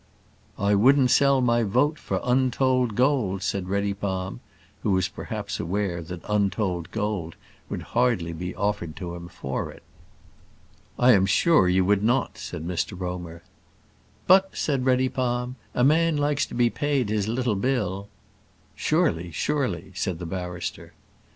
"I wouldn't sell my vote for untold gold," said Reddypalm, who was perhaps aware that untold gold would hardly be offered to him for it. "I am sure you would not," said Mr Romer. "But," said Reddypalm, "a man likes to be paid his little bill." "Surely, surely," said the barrister.